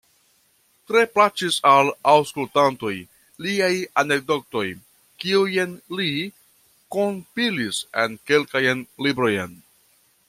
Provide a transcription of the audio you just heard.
Tre plaĉis al aŭskultantoj liaj anekdotoj, kiujn li kompilis en kelkajn librojn.